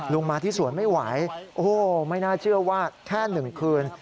ลุงมาที่สวนไม่ไหวไม่น่าเชื่อว่าแค่หนึ่งคืน